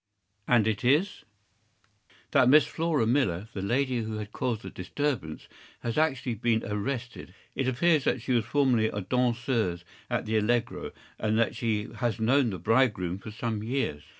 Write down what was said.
” “And it is—‚Äù “That Miss Flora Millar, the lady who had caused the disturbance, has actually been arrested. It appears that she was formerly a danseuse at the ‘Allegro,’ and that she has known the bridegroom for some years.